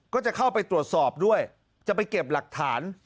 ก็จะเข้าไปตรวจสอบด้วยจะไปเก็บหลักฐาน